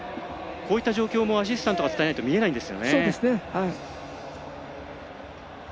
こういった状況もアシスタントが伝えないと見えないんですよね。